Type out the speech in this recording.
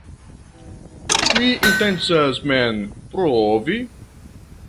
Mi intencas mem provi?